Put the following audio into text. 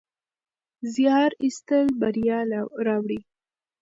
زیار ایستل بریا راوړي.